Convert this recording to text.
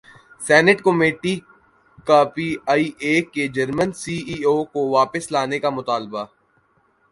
senate committee کا P I A کے German C E O کو واپس لانے کا مطالبہ